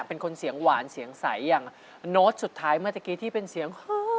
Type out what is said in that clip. เป็นคนเสียงหวานเสียงใสอย่างสุดท้ายเมื่อเมื่อเมื่อกี้ที่เป็นเสียง